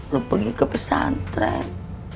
lu pergi ke pesantren